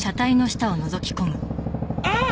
あっ！